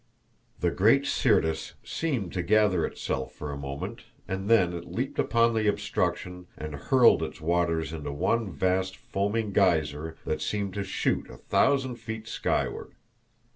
The great Syrtis seemed to gather itself for a moment, and then it leaped upon the obstruction and hurled its waters into one vast foaming geyser that seemed to shoot a thousand feet skyward.